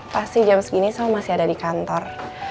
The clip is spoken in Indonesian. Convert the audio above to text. pasti jam segini saya masih ada di kantor